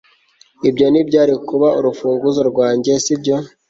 Ibyo ntibyari kuba urufunguzo rwanjye sibyo